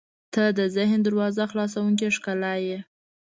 • ته د ذهن دروازه خلاصوونکې ښکلا یې.